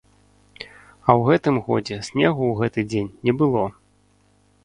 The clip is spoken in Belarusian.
А ў гэтым годзе снегу ў гэты дзень не было.